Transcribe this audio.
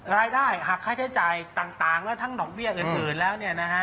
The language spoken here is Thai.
รายได้หากค่าใช้จ่ายต่างแล้วทั้งดอกเบี้ยอื่นแล้วนะฮะ